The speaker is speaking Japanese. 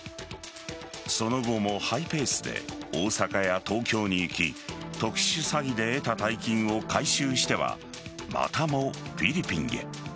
その後もハイペースで大阪や東京に行き特殊詐欺で得た大金を回収してはまたもフィリピンへ。